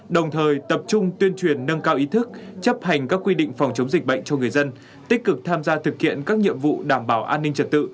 đồng thời tập trung tuyên truyền nâng cao ý thức chấp hành các quy định phòng chống dịch bệnh cho người dân tích cực tham gia thực hiện các nhiệm vụ đảm bảo an ninh trật tự